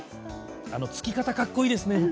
あのつき方、かっこいいですね